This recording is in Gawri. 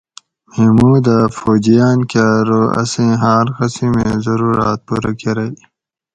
محمودہ فوجیان کہ ارو اسیں ھار قسمیں ضروراۤت پورہ کۤرئ